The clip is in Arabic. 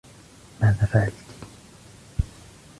ماذا فعلتِ ؟